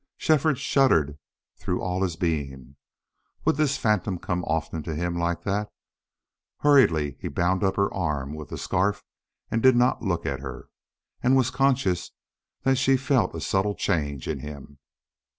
Shefford shuddered through all his being. Would this phantom come often to him like that? Hurriedly he bound up her arm with the scarf and did not look at her, and was conscious that she felt a subtle change in him.